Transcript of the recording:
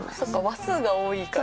話数が多いから。